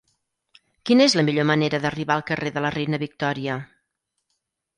Quina és la millor manera d'arribar al carrer de la Reina Victòria?